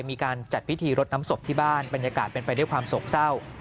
มีการจัดพิธีรดน้ำศพที่บ้านบรรยากาศเป็นไปด้วยความโศกเศร้า